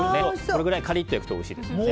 これくらいカリッと焼くとおいしいですよね。